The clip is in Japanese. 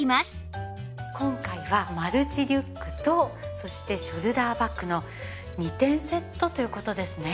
今回はマルチリュックとそしてショルダーバッグの２点セットという事ですね。